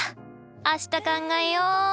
明日考えよう！